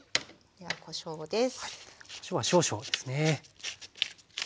ではこしょうです。